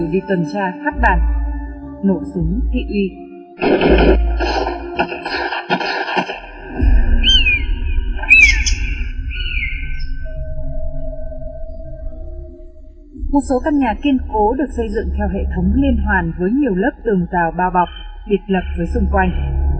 điều tối quan trọng là kiên cố được xây dựng theo hệ thống liên hoàn với nhiều lớp tường tàu bao bọc biệt lập dưới xung quanh